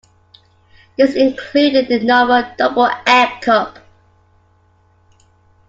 This included the novel double egg cup.